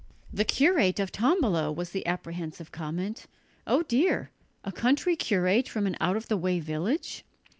"The curate of Tombolo!" was the apprehensive comment. "Oh dear! A country curate from an out of the way village!"